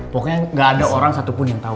pokoknya gak ada orang satupun yang tau